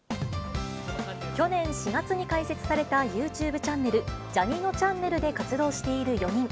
去年４月に開設されたユーチューブチャンネル、ジャにのちゃんねるで活動している４人。